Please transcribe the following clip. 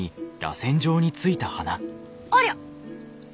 ありゃ！